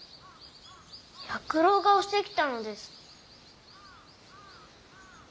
弥九郎が押してきたのです。